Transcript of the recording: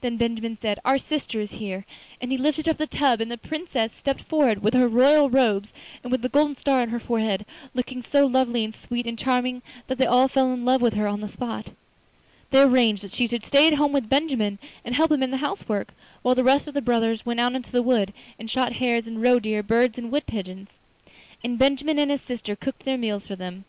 Then Benjamin said: 'Our sister is here!' and he lifted up the tub and the Princess stepped forward, with her royal robes and with the golden star on her forehead, looking so lovely and sweet and charming that they all fell in love with her on the spot. They arranged that she should stay at home with Benjamin and help him in the house work, while the rest of the brothers went out into the wood and shot hares and roe deer, birds and wood pigeons. And Benjamin and his sister cooked their meals for them.